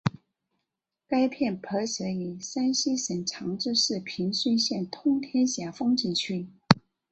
该片拍摄于山西省长治市平顺县通天峡风景区。